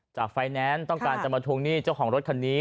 ไฟแนนซ์ต้องการจะมาทวงหนี้เจ้าของรถคันนี้